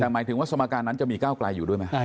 แต่หมายถึงว่าสมการนั้นจะมีก้าวไกลอยู่ด้วยไหม